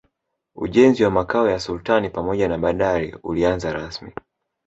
ujenzi wa makao ya sultani pamoja na bandari ulianza rasmi